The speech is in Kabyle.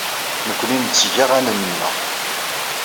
Nekkni ntteg aɣanen-nneɣ.